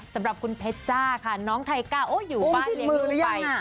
สำหรับคุณเพชรจ้าค่ะน้องไทก้าอยู่บ้านเลี้ยงลูกไป